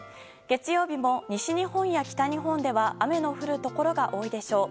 月曜日も西日本や北日本では雨の降るところが多いでしょう。